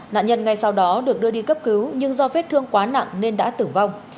nạn nhân ngay sau đó được đưa đi cấp cứu nhưng do vết thương quá nặng nên đã tử vong